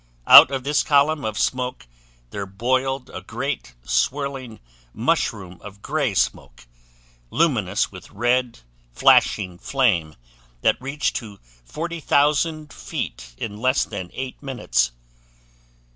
Out of this column of smoke there boiled a great swirling mushroom of gray smoke, luminous with red, flashing flame, that reached to 40,000 feet in less than 8 minutes.